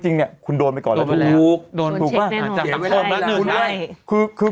จริงคุณโดนไปก่อนแล้วโดนไปแล้วโดนเช็คแน่นอน